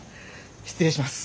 失礼します。